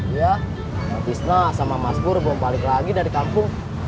iya fisna sama mas bur belum balik lagi dari kampung